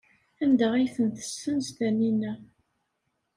Anda ay ten-tessenz Taninna?